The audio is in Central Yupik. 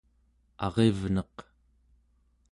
arivneq